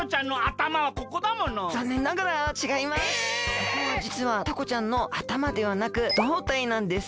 ここはじつはタコちゃんのあたまではなく胴体なんです。